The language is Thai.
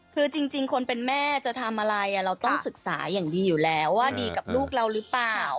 คือจริงคนเป็นแม่จะทำอะไรเราต้องศึกษาอย่างดีอยู่แล้วว่าดีกับลูกเราหรือเปล่า